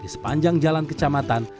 di sepanjang jalan kecamatan